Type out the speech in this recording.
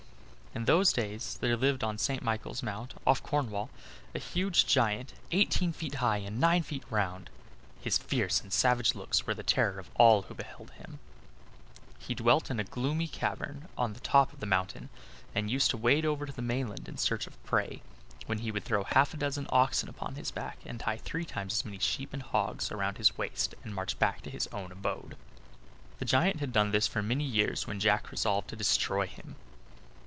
In those days there lived on St. Michael's Mount, off Cornwall, a huge giant, eighteen feet high and nine feet round; his fierce and savage looks were the terror of all who beheld him. He dwelt in a gloomy cavern on the top of the mountain, and used to wade over to the mainland in search of prey; when he would throw half a dozen oxen upon his back, and tie three times as many sheep and hogs round his waist, and march back to his own abode. The giant had done this for many years when Jack resolved to destroy him.